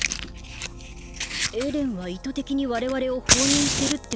エレンは意図的に我々を放任してるってこと？